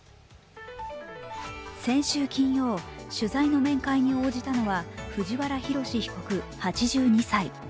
先週金曜、取材の面会に応じたのは藤原宏被告、８２歳。